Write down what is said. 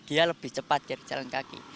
dia lebih cepat dari jalan kaki